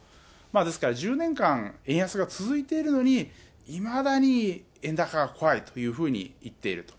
ですから、１０年間円安が続いているのに、いまだに円高が怖いというふうにいっていると。